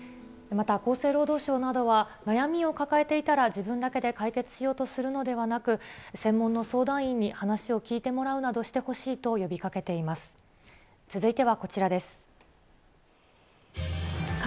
また、厚生労働省などは、悩みを抱えていたら自分だけで解決しようとするのではなく、専門の相談員に話を聞いてもらうなどしてほしいと呼びかけていまよいしょ！